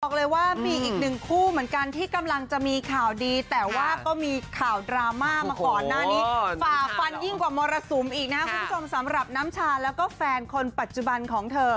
บอกเลยว่ามีอีกหนึ่งคู่เหมือนกันที่กำลังจะมีข่าวดีแต่ว่าก็มีข่าวดราม่ามาก่อนหน้านี้ฝ่าฟันยิ่งกว่ามรสุมอีกนะครับคุณผู้ชมสำหรับน้ำชาแล้วก็แฟนคนปัจจุบันของเธอ